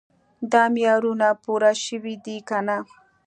دا معیارونه پوره شوي دي که نه.